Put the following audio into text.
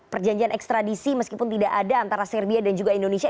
perjanjian ekstradisi meskipun tidak ada antara serbia dan juga indonesia